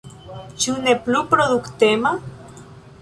Ĉu ne plu produktema?